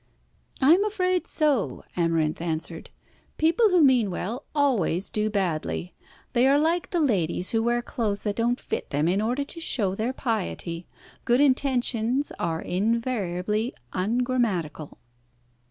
"I am afraid so," Amarinth answered. "People who mean well always do badly. They are like the ladies who wear clothes that don't fit them in order to show their piety. Good intentions are invariably ungrammatical."